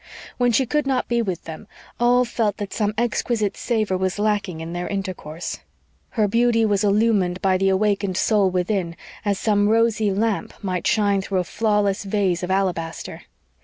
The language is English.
When she could not be with them all felt that some exquisite savor was lacking in their intercourse. Her beauty was illumined by the awakened soul within, as some rosy lamp might shine through a flawless vase of alabaster.